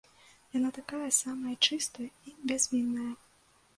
Яна такая самая чыстая і бязвінная.